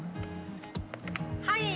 「はい」